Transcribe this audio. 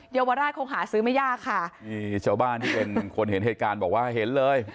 เยาวราชคงหาซื้อไม่ยากค่ะมีชาวบ้านที่เป็นคนเห็นเหตุการณ์บอกว่าเห็นเลย